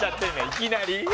いきなり。